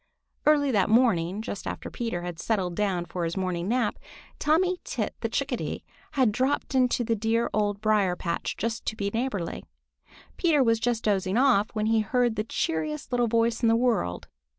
Early that morning, just after Peter had settled down for his morning nap, Tommy Tit the Chickadee had dropped into the dear Old Briar patch just to be neighborly. Peter was just dozing off when he heard the cheeriest little voice in the world.